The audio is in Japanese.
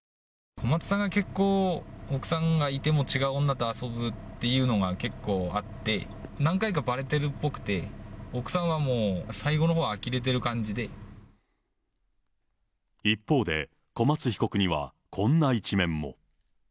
小松さんが結構、奥さんがいても違う女と遊ぶっていうのが結構あって、何回かばれてるっぽくって、奥さんはもう、一方で、小松被告には、こんな一面も。